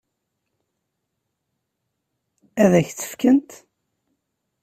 Ad k-tt-fkent?